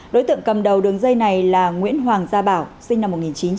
đối tượng cầm đầu đường dây này là nguyễn hoàng gia bảo sinh năm một nghìn chín trăm tám mươi